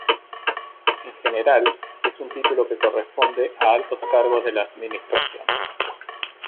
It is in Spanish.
En general, es un título que corresponde a altos cargos de la Administración.